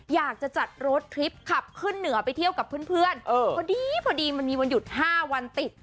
อยากจะจัดรถทริปขับขึ้นเหนือไปเที่ยวกับเพื่อนพอดีพอดีมันมีวันหยุด๕วันติด